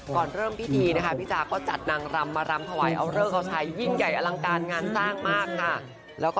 ก่อนเริ่มพิธีนะคะพี่จ๋าก็จัดนางรำมารำถวายเอาเลิกเอาใช้ยิ่งใหญ่อลังการงานสร้างมากค่ะ